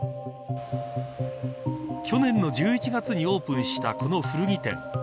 去年の１１月にオープンしたこの古着店。